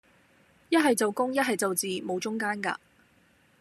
一係就公,一係就字,無中間架